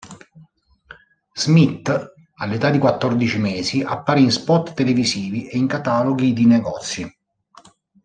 Smith all'età di quattordici mesi apparì in spot televisivi e in cataloghi di negozi.